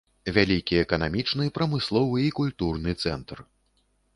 Вялікі эканамічны, прамысловы і культурны цэнтр.